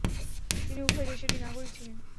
তিনি উভয় দেশেরই নাগরিক ছিলেন।